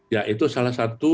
ya itu salah satu